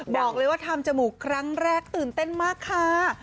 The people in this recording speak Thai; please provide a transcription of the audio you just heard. บอกเลยว่าทำจมูกครั้งแรกตื่นเต้นมากค่ะ